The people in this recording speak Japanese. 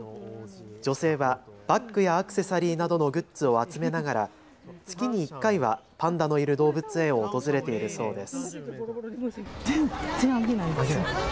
女性はバッグやアクセサリーなどのグッズを集めながら月に１回はパンダのいる動物園を訪れているそうです。